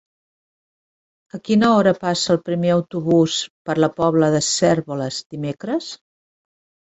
A quina hora passa el primer autobús per la Pobla de Cérvoles dimecres?